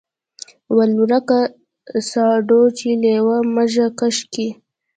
ول ورکه ساډو چې لېوه مږه کش کي.